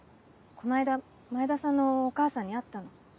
この間前田さんのお母さんに会ったの。